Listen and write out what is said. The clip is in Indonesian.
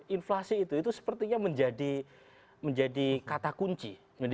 inflasi itu sepertinya menjadi kata kunci